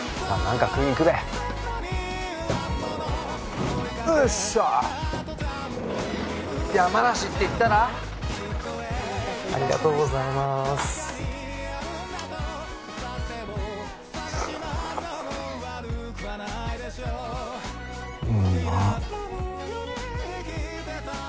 ありがとうございます